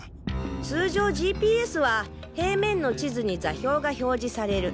通常ＧＰＳは平面の地図に座標が表示される。